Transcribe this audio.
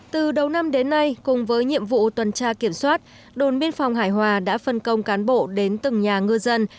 từ đầu năm đến nay cùng với nhiệm vụ tuần tra kiểm soát đồn biên phòng hải hòa đã phân công cán bộ đến từng nhà ngư dân